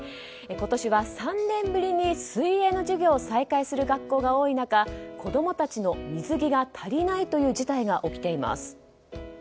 今年は３年ぶりに水泳の授業を再開する学校が多い中子供たちの水着が足りないという事態が起きています。